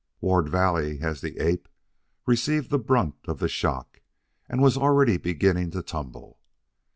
Ward Valley, as the ape, received the brunt of the shock, and was already beginning to tumble.